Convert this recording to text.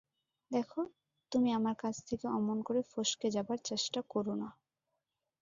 দেখো, তুমি আমার কাছ থেকে অমন করে ফসকে যাবার চেষ্টা কোরো না।